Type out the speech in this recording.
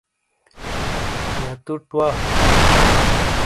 یا تٹ وا